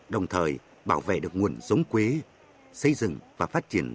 đồng thời bảo vệ được nguồn giống quế xây dựng và phát triển